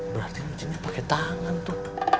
berarti nyucinya pake tangan tuh